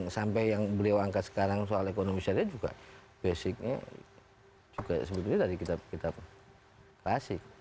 sampai yang beliau angkat sekarang soal ekonomi syariah juga basicnya juga sebetulnya dari kitab kitab klasik